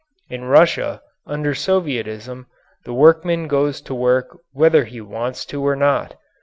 In Russia, under Sovietism, the workman goes to work whether he wants to or not.